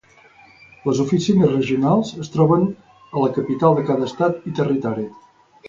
Les oficines regionals es troben a la capital de cada estat i territori.